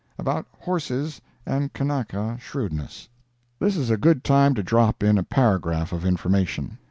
ABOUT HORSES AND KANAKA SHREWDNESS This is a good time to drop in a paragraph of information.